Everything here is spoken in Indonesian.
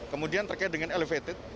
kemudian terkait dengan elevated